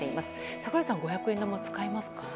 櫻井さん、五百円玉使いますか？